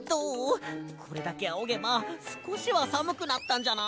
これだけあおげばすこしはさむくなったんじゃない？